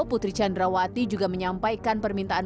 putri candrawati juga menyampaikan permintaan